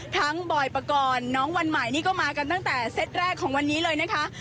บอยปกรณ์น้องวันใหม่นี่ก็มากันตั้งแต่เซตแรกของวันนี้เลยนะคะ